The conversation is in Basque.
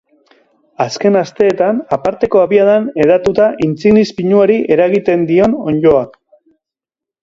Azken asteetan aparteko abiadan hedatu da intsinis pinuari eragiten dion onddoa.